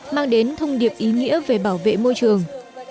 mang đến thông điệp ý nghĩa về bảo vệ môi trường